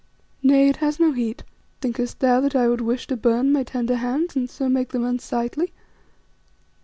"Nay, it has no heat. Thinkest thou that I would wish to burn my tender hands and so make them unsightly?